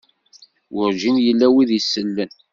Werǧin yella win isellen.